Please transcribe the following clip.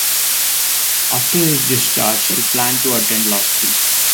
After his discharge he planned to attend law school.